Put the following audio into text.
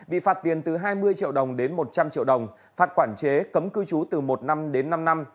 bị phạt tiền từ hai mươi triệu đồng đến một trăm linh triệu đồng phạt quản chế cấm cư trú từ một năm đến năm năm